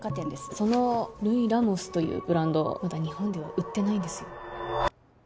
そのルイ・ラモスというブランドまだ日本では売ってないんですよ